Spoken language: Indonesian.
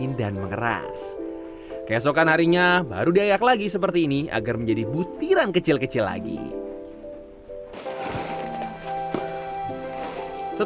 setelah berangkat dan selanjutnya digelar seperti ini agak lebih cepat